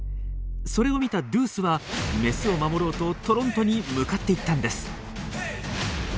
それを見たドゥースはメスを守ろうとトロントに向かっていったんです。